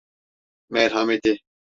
Merhameti.